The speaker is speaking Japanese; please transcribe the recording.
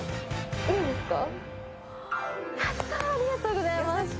ありがとうございます。